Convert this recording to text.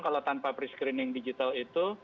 kalau tanpa pre screening digital itu